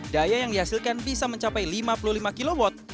daya yang dihasilkan bisa mencapai lima puluh lima kw